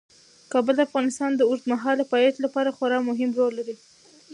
کابل د افغانستان د اوږدمهاله پایښت لپاره خورا مهم رول لري.